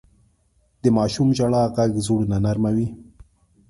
د ماشوم ژړا ږغ زړونه نرموي.